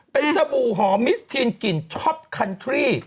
เป็นสบู่หอมมิสทีนกลิ่นช็อปคันทรี่